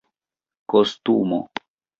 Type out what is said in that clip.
kostumo